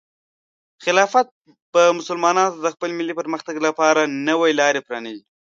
خلافت به مسلمانانو ته د خپل ملي پرمختګ لپاره نوې لارې پرانیزي.